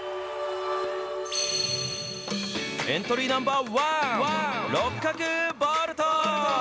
エントリーナンバー１、六角ボルト。